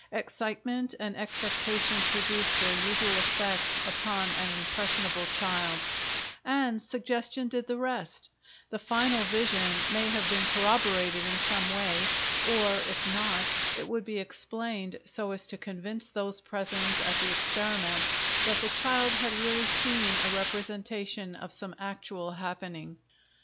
Excitement and expectation produced their usual effect upon an impressionable child, and suggestion did the rest; the final vision may have been corroborated in some way, or, if not, it would be explained so as to convince those present at the experiment that the child had really seen a representation of some actual happening.